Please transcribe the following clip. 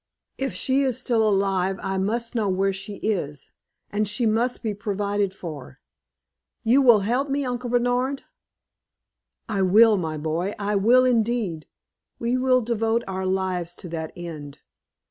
If she is still alive, I must know where she is, and she must be provided for. You will help me, Uncle Bernard?" "I will, my boy I will, indeed. We will devote our lives to that end.